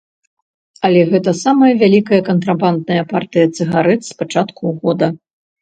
Але гэта самая вялікая кантрабандная партыя цыгарэт з пачатку года.